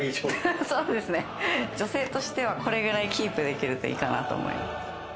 女性としては、これぐらいキープできればいいかなと思います。